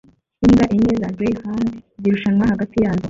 Imbwa enye za greyhound zirushanwa hagati yazo